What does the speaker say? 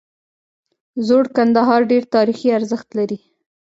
زوړ کندهار ډیر تاریخي ارزښت لري